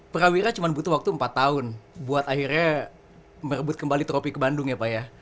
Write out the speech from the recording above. prawira cuma butuh waktu empat tahun buat akhirnya merebut kembali tropi ke bandung ya pak ya